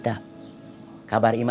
terus kemudian kembali ke rumah